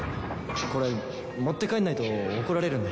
これ持って帰んないと怒られるんで。